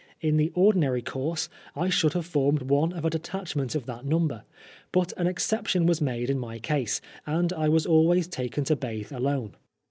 In the ordinary course, I should have formed one of a detachment of that number, but an exception was made in my case, and I was always taken to bathe alone.